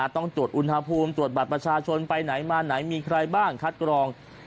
ต้องตรวจอุณหภูมิตรวจบัตรประชาชนไปไหนมาไหนมีใครบ้างคัดกรอง